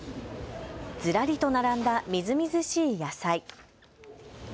ずらりと並んだみずみずしい野菜。